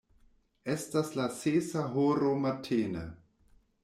Estas la sesa horo matene.